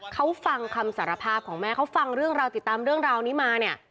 เขาฟังคำสารภาพของแม่เขาฟังเรื่องราวติดตามเรื่องราวนี้มาเนี่ย